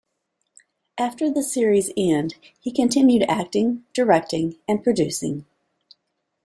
After the series' end, he continued acting, directing and producing.